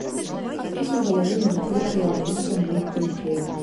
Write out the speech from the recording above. Звесіў галаву над укрытаю абрусам булкаю хлеба.